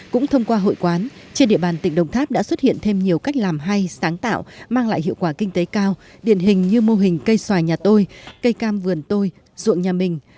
cũng thông qua hội quán trên địa bàn tỉnh đồng tháp đã xuất hiện thêm nhiều cách làm hay sáng tạo mang lại hiệu quả kinh tế cao điển hình như mô hình cây xoài nhà tôi cây cam vườn tôi ruộng nhà mình